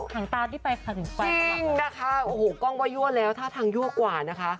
จริงนะคะโอ้โหกล้องว่ายั่วแล้วถ้าทางยั่วกหวานนะคะ